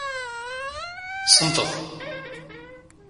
Senteḍ.